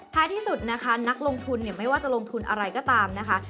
ที่สุดนะคะนักลงทุนเนี่ยไม่ว่าจะลงทุนอะไรก็ตามนะคะ